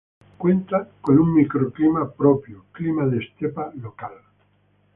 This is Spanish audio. Cuenta con un microclima propio, clima de estepa local.